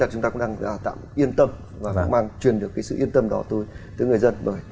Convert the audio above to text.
chúng ta cũng đang tạm yên tâm và mang truyền được cái sự yên tâm đó tới người dân